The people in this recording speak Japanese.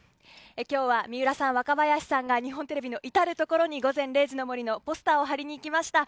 今日は水卜さん、若林さんが日本テレビの至るところに「午前０時の森」のポスターを貼りに行きました。